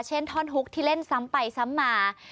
ท่อนฮุกที่เล่นซ้ำไปซ้ำมา